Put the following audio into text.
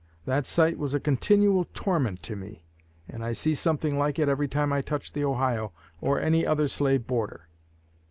That sight was a continual torment to me; and I see something like it every time I touch the Ohio, or any other slave border.